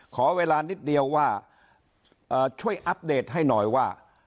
ขอเวลานิดเดียวว่าช่วยอัปเดตให้หน่อยว่า